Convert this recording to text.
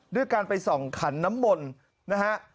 ด้วยการไปส่องขันน้ำมนต์นะฮะ